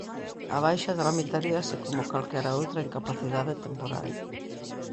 A baixa tramitaríase como calquera outra incapacidade temporal.